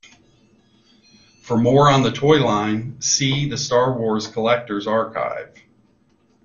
For more on the toy line, see The Star Wars Collector's Archive.